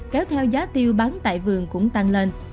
kéo theo giá tiêu bán tại vườn cũng tăng lên